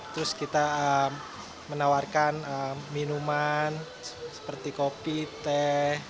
terus kita menawarkan minuman seperti kopi teh